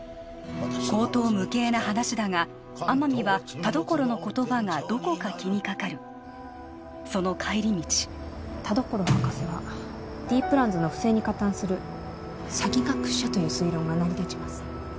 荒唐無稽な話だが天海は田所の言葉がどこか気にかかるその帰り道田所博士はＤプランズの不正に加担する詐欺学者という推論が成り立ちます